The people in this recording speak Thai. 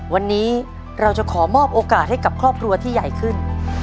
วันนี้เราจะขอมอบโอกาสให้กับครอบครัวที่ใหญ่ขึ้น